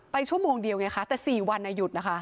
ชั่วโมงเดียวไงคะแต่๔วันหยุดนะคะ